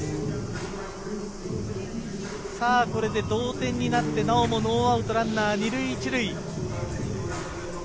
これで同点になってなおもノーアウトランナー２塁１塁。